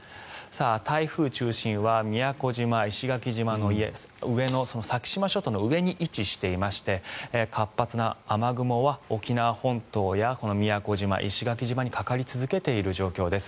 台風中心は宮古島、石垣島の上の先島諸島の上に位置していまして活発な雨雲は沖縄本島や宮古島、石垣島にかかり続けている状況です。